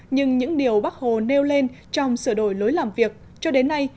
nhưng những điều bác hồ nêu lên trong sửa đổi lối làm việc cho đến nay